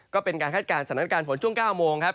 ก็เป็นการคาดการณ์สถานการณ์ฝนช่วง๙โมงครับ